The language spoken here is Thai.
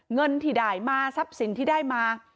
เงินที่ได้มาทรัพย์สินที่ได้มา